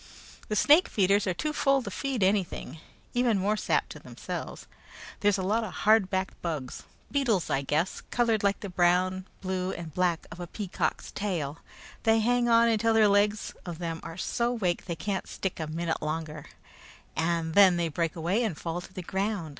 The snake feeders are too full to feed anything even more sap to themselves. There's a lot of hard backed bugs beetles, I guess colored like the brown, blue, and black of a peacock's tail. They hang on until the legs of them are so wake they can't stick a minute longer, and then they break away and fall to the ground.